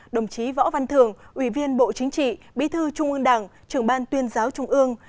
đồng chí võ văn thường ủy viên bộ chính trị bí thư trung ương đảng trưởng ban tuyên giáo trung ương